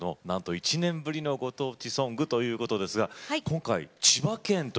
なんと１年ぶりのご当地ソングということですが今回は千葉県。